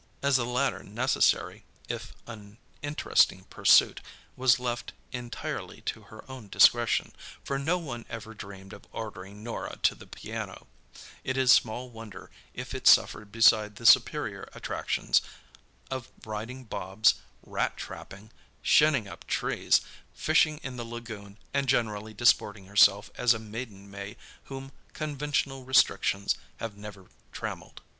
As the latter necessary, if uninteresting, pursuit was left entirely to her own discretion—for no one ever dreamed of ordering Norah to the piano—it is small wonder if it suffered beside the superior attractions of riding Bobs, rat trapping, "shinning up" trees, fishing in the lagoon and generally disporting herself as a maiden may whom conventional restrictions have never trammelled.